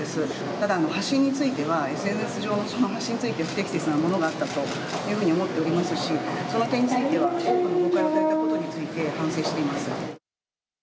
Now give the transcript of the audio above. ただ、発信については、ＳＮＳ上の発信について不適切なものがあったというふうに思っておりますし、その点については、多くの誤解をされたことについて反省しています。